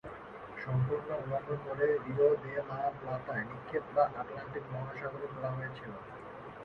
সম্পূর্ণ উলঙ্গ করে রিও দে লা প্লাতায় নিক্ষেপ বা আটলান্টিক মহাসাগরে ফেলা হয়েছিল।